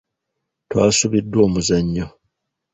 Twasubiddwa omuzannyo.